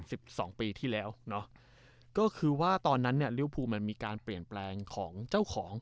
สิบสองปีที่แล้วเนอะก็คือว่าตอนนั้นเนี้ยริวภูมันมีการเปลี่ยนแปลงของเจ้าของ